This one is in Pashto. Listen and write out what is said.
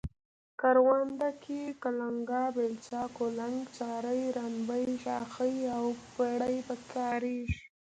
کرونده کې کلنگه، بیلچه، کولنگ، چارۍ، رنبی، شاخۍ او پړی په کاریږي.